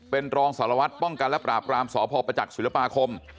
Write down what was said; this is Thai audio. เป็นรองสารวัตรป้องกันและปราบรามสพประจักษ์ศิลปาคม